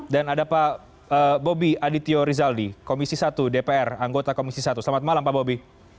dan ada pak bobi adityo rizaldi komisi satu dpr anggota komisi satu selamat malam pak bobi